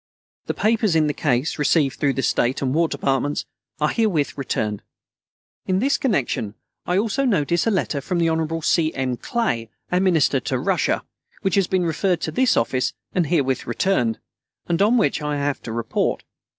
The papers in the case, received through the State and War Departments, are herewith returned. In this connection, I also notice a letter from the Hon. C. M. Clay, our Minister to Russia, which has been referred to this office and herewith returned, and on which I have to report.